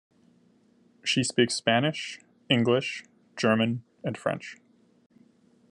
She speaks Spanish, English, German and French.